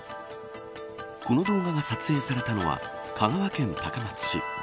この動画が撮影されたのは香川県高松市。